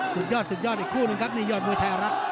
สุดยอดสุดยอดอีกคู่หนึ่งครับ